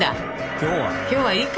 今日はいいか。